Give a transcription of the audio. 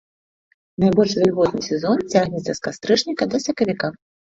Найбольш вільготны сезон цягнецца з кастрычніка да сакавіка.